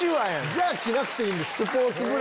じゃあ着なくていいです。